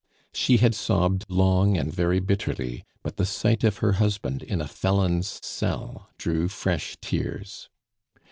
She had sobbed long and very bitterly, but the sight of her husband in a felon's cell drew fresh tears.